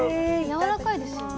やわらかいですよね？